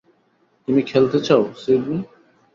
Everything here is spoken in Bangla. তুমি খেলতে চাও, সিডনি?